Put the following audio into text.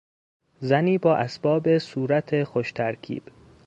زنی با اسباب صورت خوشترکیب